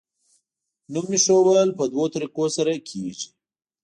نوم ایښودل په دوو طریقو سره کیږي.